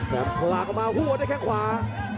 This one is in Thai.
แล้วหลากออกมาฮู้เอาได้แค่ขวา